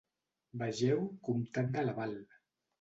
Vegeu comtat de Laval.